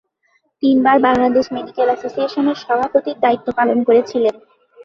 তিনবার বাংলাদেশ মেডিকেল এসোসিয়েশনের সভাপতির দায়িত্ব পালন করেছিলেন।